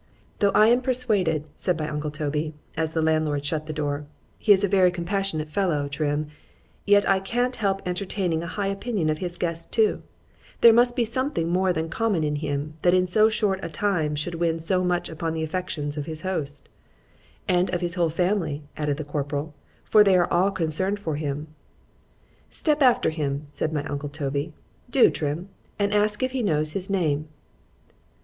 Though I am persuaded, said my uncle Toby, as the landlord shut the door, he is a very compassionate fellow—Trim,—yet I cannot help entertaining a high opinion of his guest too; there must be something more than common in him, that in so short a time should win so much upon the affections of his host;——And of his whole family, added the corporal, for they are all concerned for him.——Step after him, said my uncle Toby,—do Trim,—and ask if he knows his name.